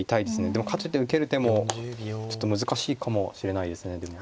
でもかといって受ける手もちょっと難しいかもしれないですねでも。